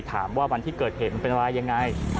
วันที่เกิดเหตุมันเป็นอะไรยังไง